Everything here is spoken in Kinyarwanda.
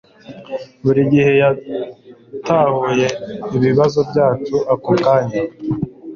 Buri gihe yatahuye ibibazo byacu ako kanya